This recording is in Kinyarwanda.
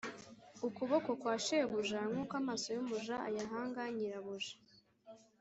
ukuboko kwa shebuja Nk uko amaso y umuja ayahanga nyirabuja